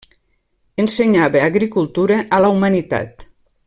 Ensenyava agricultura a la humanitat.